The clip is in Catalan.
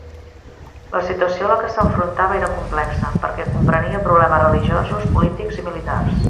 La situació a la que s'enfrontava era complexa, perquè comprenia problemes religiosos, polítics i militars.